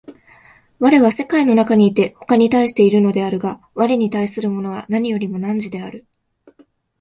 我は世界の中にいて他に対しているのであるが、我に対するものは何よりも汝である。